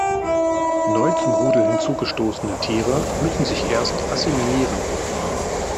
Neu zum Rudel hinzugestoßene Tiere müssen sich erst assimilieren.